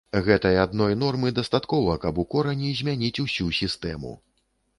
Гэтай адной нормы дастаткова, каб у корані змяніць усю сістэму.